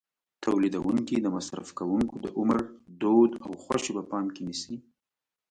تولیدوونکي د مصرف کوونکو د عمر، دود او خوښې په پام کې نیسي.